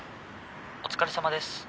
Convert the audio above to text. ☎お疲れさまです。